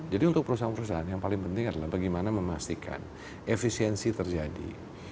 jadi untuk perusahaan perusahaan yang paling penting adalah bagaimana memastikan efisiensi terjadi